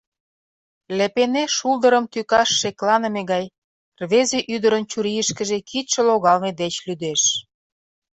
Лепене шулдырым тӱкаш шекланыме гай рвезе ӱдырын чурийышкыже кидше логалме деч лӱдеш.